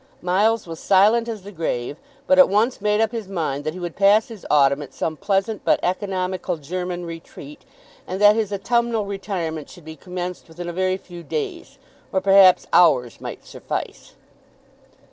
Miles was silent as the grave, but at once made up his mind that he would pass his autumn at some pleasant but economical German retreat, and that his autumnal retirement should be commenced within a very few days; or perhaps hours might suffice.